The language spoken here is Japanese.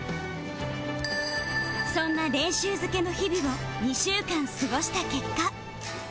そんな練習漬けの日々を２週間過ごした結果